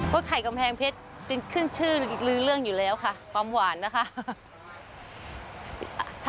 เพราะไข่กำแพงเพชรเป็นขึ้นชื่ออีกลื้อเรื่องอยู่แล้วค่ะความหวานนะคะ